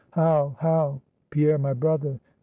"How? how? Pierre, my brother?